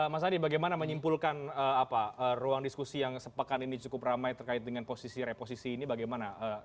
mas adi bagaimana menyimpulkan ruang diskusi yang sepekan ini cukup ramai terkait dengan posisi reposisi ini bagaimana